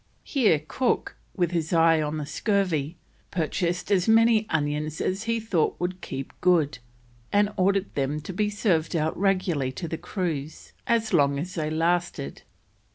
Here Cook, with his eye on the scurvy, purchased as many onions as he thought would keep good, and ordered them to be served out regularly to the crews as long as they lasted.